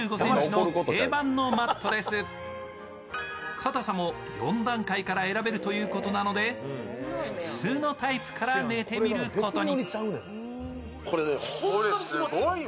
かたさも４段階から選べるということなのでふつうのタイプから寝てみることに。